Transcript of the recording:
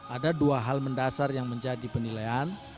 ada dua hal mendasar yang menjadi penilaian